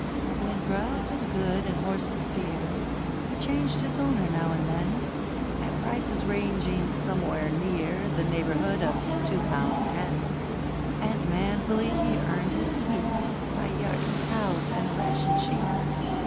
When grass was good, and horses dear, He changed his owner now and then At prices ranging somewhere near The neighbourhood of two pound ten: And manfully he earned his keep By yarding cows and ration sheep.